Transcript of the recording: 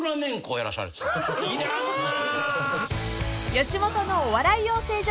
［吉本のお笑い養成所